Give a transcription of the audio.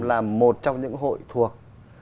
là một trong những hội thuộc